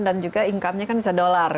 dan juga income nya kan bisa dollar